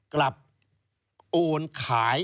กลับโอนขาย